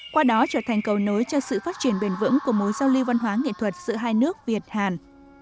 qua đó trở thành cầu nối cho sự phát triển bền vững của mối giao lưu văn hóa nghệ thuật giữa hai nước việt hàn